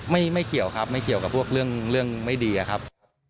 ไม่เกี่ยวครับไม่เกี่ยวกับพวกเรื่องไม่ดีอะครับ